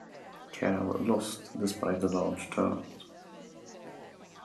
Cal lost despite a large turnout.